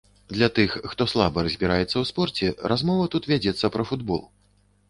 Для тых, хто слаба разбіраецца ў спорце, размова тут вядзецца пра футбол.